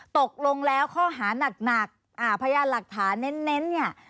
ตกลงแล้วข้อหานักพยานหลักฐานเน้นเนี่ย